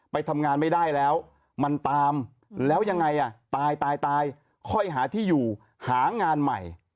ไปทำงานไม่ได้แล้วมันตามแล้วยังไงอ่ะตายตายค่อยหาที่อยู่หางานใหม่